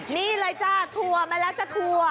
นี่เลยจ้ะถั่วมาแล้วจะถั่ว